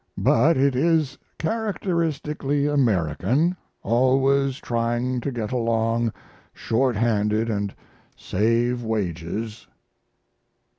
But it is characteristically American always trying to get along short handed & save wages.